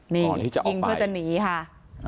นี่ยิงเพื่อจะหนีค่ะ